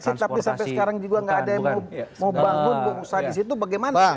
kalau kita proteksi tapi sampai sekarang juga tidak ada yang mau bangun usaha di situ bagaimana